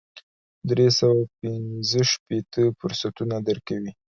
درې سوه او پنځه شپېته فرصتونه درکوي.